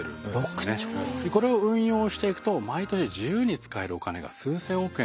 これを運用していくと毎年自由に使えるお金が数千億円出てくるんです。